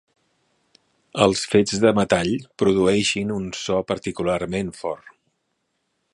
Els fets de metall produeixin un so particularment fort.